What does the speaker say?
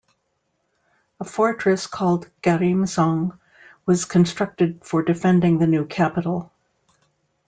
A fortress called Garimseong was constructed for defending the new capital.